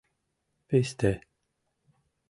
Писте.